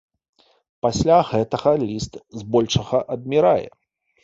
Пасля гэтага ліст збольшага адмірае.